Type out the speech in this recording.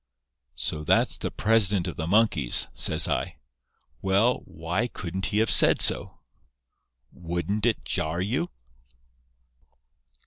"'So that's the president of the monkeys,' says I. 'Well, why couldn't he have said so?' "Wouldn't it jar you?"